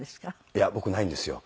いや僕ないんですよ。